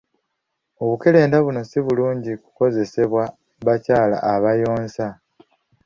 Obukerenda buno so bulungi kukozesebwa bakyala abayonsa.